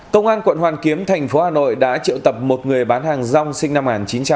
công an quận hoàn kiếm thành phố hà nội đã triệu tập một người bán hàng rong sinh năm một nghìn chín trăm tám mươi